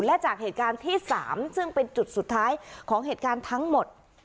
และจากเหตุการณ์ที่๓ซึ่งเป็นจุดสุดท้ายของเหตุการณ์ทั้งหมด